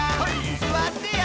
「すわってよ」